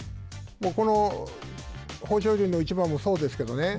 この豊昇龍の一番もそうですけどね